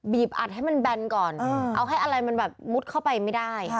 อัดให้มันแบนก่อนเอาให้อะไรมันแบบมุดเข้าไปไม่ได้